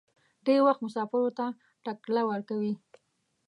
ډېر وخت مسافرو ته ټکله ورکوي.